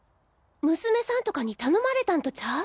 娘さんとかに頼まれたんとちゃう？